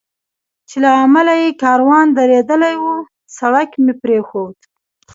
چې له امله یې کاروان درېدلی و، سړک مې پرېښود.